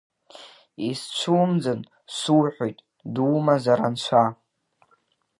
Исцәумӡан, суҳәоит, думазар Анцәа!